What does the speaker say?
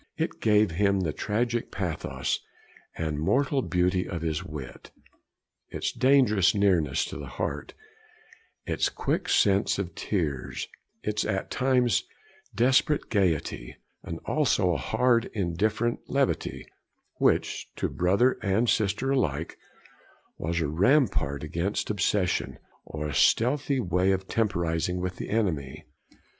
It gave him the tragic pathos and mortal beauty of his wit, its dangerous nearness to the heart, its quick sense of tears, its at times desperate gaiety; and, also, a hard, indifferent levity, which, to brother and sister alike, was a rampart against obsession, or a stealthy way of temporising with the enemy.